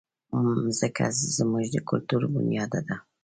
مځکه زموږ د کلتور بنیاد ده.